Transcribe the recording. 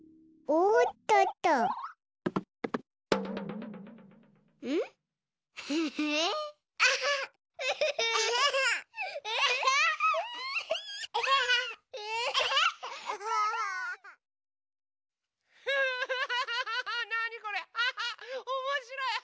おもしろい！